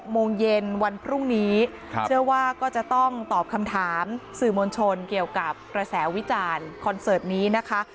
โมงเย็นวันพรุ่งนี้เชื่อว่าก็จะต้องตอบคำถามสื่อมวลชนเกี่ยวกับกระแสวิจารณ์คอนเสิร์ตนี้นะคะ